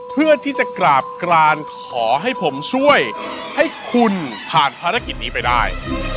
เพื่อที่จะกราบกรานขอให้ผมช่วยให้คุณผ่านภารกิจนี้ไปได้